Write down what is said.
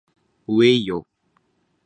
うぇいよ